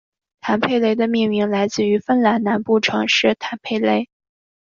坦佩雷的命名来自于芬兰南部城市坦佩雷。